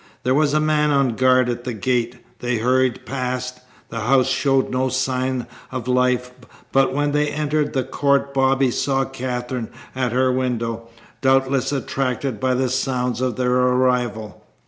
There was a man on guard at the gate. They hurried past. The house showed no sign of life, but when they entered the court Bobby saw Katherine at her window, doubtless attracted by the sounds of their arrival.